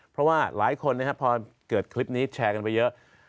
เพราะว่าหลายคนนะครับพอเกิดคลิปนี้แชร์กันไปเยอะ